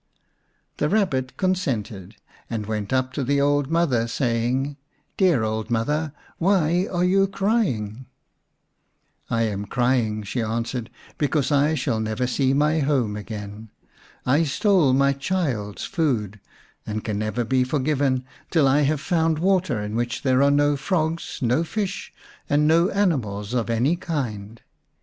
The Kabbit consented, and went up to the old mother, saying, " Dear old mother, why are you crying ?" "I am crying," she answered, "because I shall never see my home again. I stole my child's food, and can never be forgiven till I have found water in which are no frogs, no fish, and no animals of any kind.